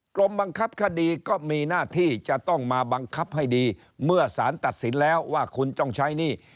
กรมบังคับคดีก็มีหน้าที่จะต้องมาบังคับให้ดีเมื่อสารตัดสินแล้วว่าคุณต้องใช้หนี้